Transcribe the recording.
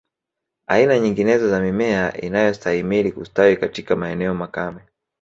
Aina nyinginezo za mimea inayostahimili kustawi katika maeneo makame